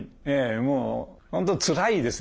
もう本当つらいですね。